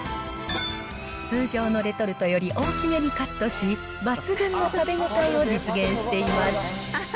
通常のレトルトより大きめにカットし、抜群の食べ応えを実現しています。